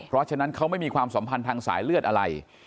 เพราะฉะนั้นเขาไม่มีความสัมพันธ์ทางสายเลือดอะไร